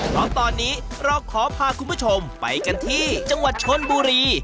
เพราะตอนนี้เราขอพาคุณผู้ชมไปกันที่จังหวัดชนบุรี